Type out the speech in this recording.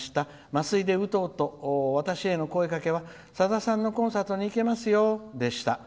麻酔でうとうと私への声かけはさださんのコンサートに行けますよでした。